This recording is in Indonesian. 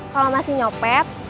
kalau masih nyopet